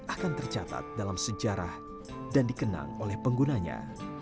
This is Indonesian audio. akan tercatat dalam sejarah dan dikenang oleh penggunanya